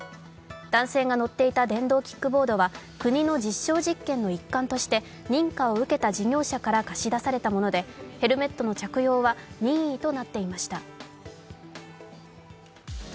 男性が乗っていた電動キックボードは国の実証実験の一環として認可を受けた事業者から貸し出されたものでヘルメットの着用は任意となっていました。